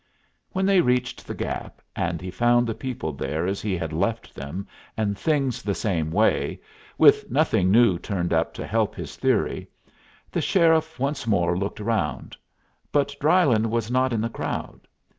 When they reached the Gap, and he found the people there as he had left them, and things the same way, with nothing new turned up to help his theory, the sheriff once more looked round; but Drylyn was not in the crowd.